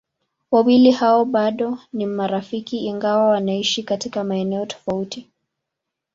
Wawili hao bado ni marafiki ingawa wanaishi katika maeneo tofauti.